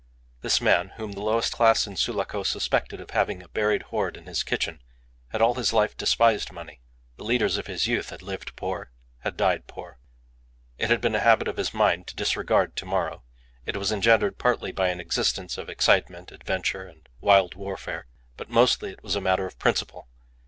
This man, whom the lowest class in Sulaco suspected of having a buried hoard in his kitchen, had all his life despised money. The leaders of his youth had lived poor, had died poor. It had been a habit of his mind to disregard to morrow. It was engendered partly by an existence of excitement, adventure, and wild warfare. But mostly it was a matter of principle.